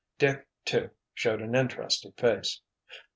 Dick, too, showed an interested face.